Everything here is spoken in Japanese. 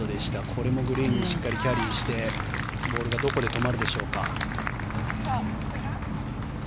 これもグリーンにしっかりキャリーしてボールがどこで止まるでしょうか。